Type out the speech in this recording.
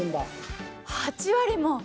８割も！